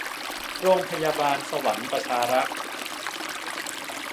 โรงพยาบาลสวรรค์ประชารักษ์